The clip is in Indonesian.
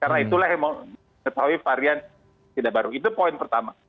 karena itulah yang mau mengetahui varian tidak baru itu poin pertama